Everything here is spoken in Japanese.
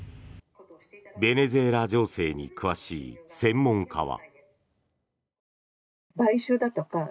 ベネズエラ情勢に詳しい専門家は。